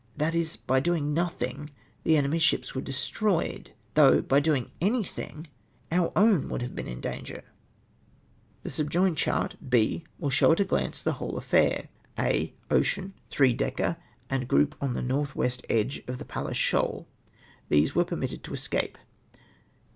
That is, by doing nothing the enemy's ships icere destroyed ; though by doing anything our own v'ould have been in danger !!! The subjoined chart B will show, at a glance, the whole aflair. A. Ocean, tliree decker and group on the north west edge of the Palles Shoah These were permitted to escape.